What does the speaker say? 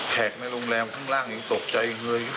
แขลกโรงแรมข้างล่างหนึ่งตกใจ